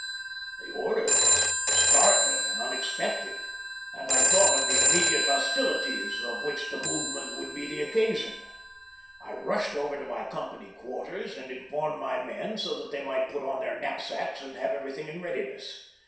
The order was startling and unexpected, and I thought of the immediate hostilities of which the movement FROM MOULT RIE TO SUMTER. 45 would be the occasion. I rushed over to my company quarters and informed my men, so that they might put on their knapsacks and have everything in readiness.